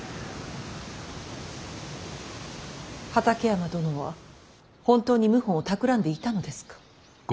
畠山殿は本当に謀反をたくらんでいたのですか。